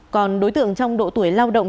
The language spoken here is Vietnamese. còn đối tượng trong độ tuổi lao động